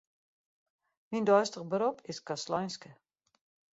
Myn deistich berop is kastleinske.